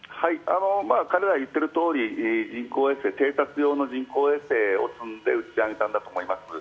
彼らが言っているとおり偵察用の人工衛星を積んで打ち上げたんだと思います。